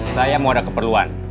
saya mau ada keperluan